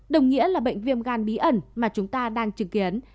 đồng nghĩa là bệnh viêm gan bí ẩn mà chúng ta đang chứng kiến